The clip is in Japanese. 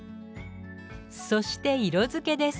そして色づけです。